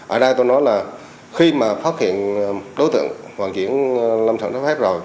ở đây tôi nói là khi mà phát hiện đối tượng hoàn kiến lâm sản trái phép rồi